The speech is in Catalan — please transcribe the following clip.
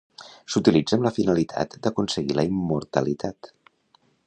S'utilitza amb la finalitat d'aconseguir la immortalitat.